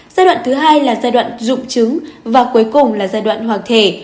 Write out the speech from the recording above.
giai đoạn thứ hai là giai đoạn dụng trứng và cuối cùng là giai đoạn hoàng thể